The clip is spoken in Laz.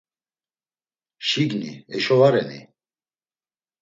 Şigni, eşo va reni?